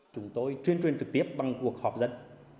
chúng tôi truyền truyền trực tiếp bằng cuộc họp dẫn